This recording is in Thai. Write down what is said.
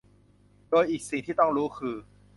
โดยอีกสิ่งที่ต้องรู้คือ